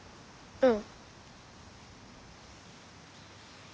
うん。